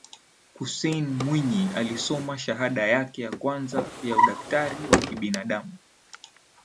Hussein Mwinyi alisoma shahada yake ya kwanza ya udaktari wa kibinaadamu